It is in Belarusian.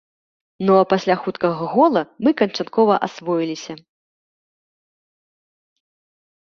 Ну а пасля хуткага гола мы канчаткова асвоіліся.